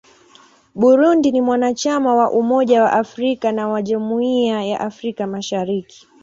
Burundi ni mwanachama wa Umoja wa Afrika na wa Jumuiya ya Afrika Mashariki.